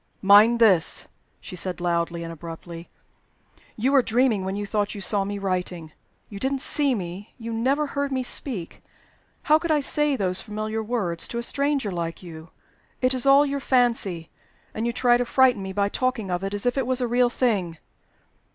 "Mind this!" she said, loudly and abruptly, "you were dreaming when you thought you saw me writing. You didn't see me; you never heard me speak. How could I say those familiar words to a stranger like you? It's all your fancy and you try to frighten me by talking of it as if it was a real thing!"